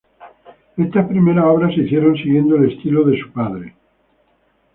Estas primeras obras se hicieron siguiendo el estilo de su padre.